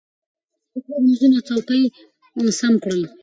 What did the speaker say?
ښځه د کور مېزونه او څوکۍ سم کړل